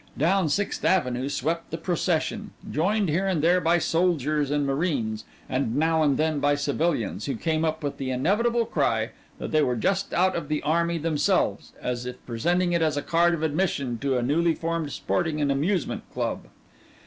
Down Sixth Avenue swept the procession, joined here and there by soldiers and marines, and now and then by civilians, who came up with the inevitable cry that they were just out of the army themselves, as if presenting it as a card of admission to a newly formed Sporting and Amusement Club.